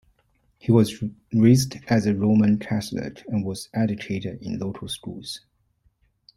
He was raised as a Roman Catholic and was educated in local schools.